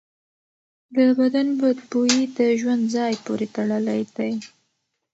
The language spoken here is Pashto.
د بدن بوی د ژوند ځای پورې تړلی دی.